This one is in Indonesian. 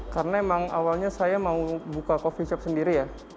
karena emang awalnya saya mau buka coffee shop sendiri ya